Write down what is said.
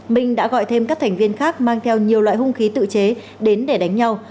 minh đã gọi thêm các thành viên khác mang theo nhiều loại hung khí tự chế đến để đánh nhau